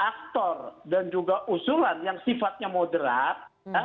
aktor dan juga usulan yang sifatnya moderat